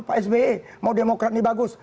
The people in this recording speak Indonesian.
pak sby mau demokrat ini bagus